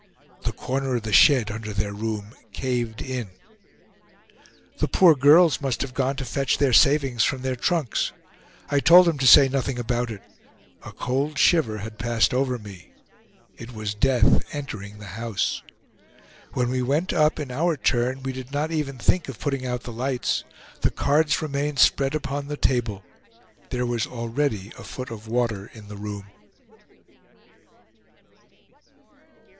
The corner of the shed under their room caved in." The poor girls must have gone to fetch their savings from their trunks. I told him to say nothing about it. A cold shiver had passed over me. It was Death entering the house. When we went up, in our turn, we did not even think of putting out the lights. The cards remained spread upon the table. There was already a foot of water in the room.